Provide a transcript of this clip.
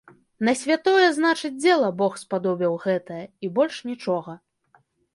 На святое, значыць, дзела бог спадобіў, гэтае, і больш нічога.